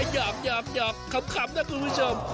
อยากอยากอยากขำนะคุณผู้ชม